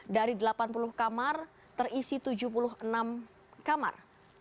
dari delapan puluh kamar terisi tujuh puluh enam kamar